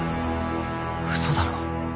嘘だろ。